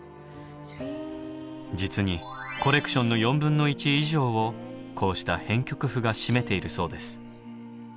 実にコレクションの４分の１以上をこうした編曲譜が占めているそうです。